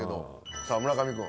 さあ村上君。